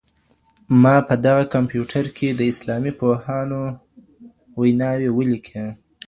ما په دغه کمپیوټر کي د اسلامي پوهانو ویناوې ولیکلې.